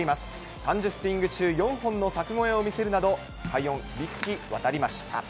３０スイング中、４本の柵越えを見せるなど、快音、響き渡りました。